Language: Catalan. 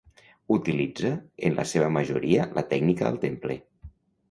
Utilitza en la seva majoria la tècnica al temple.